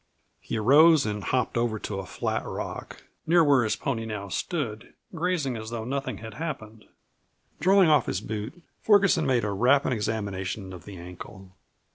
He arose and hopped over to a flat rock, near where his pony now stood grazing as though nothing had happened. Drawing off his boot, Ferguson made a rapid examination of the ankle.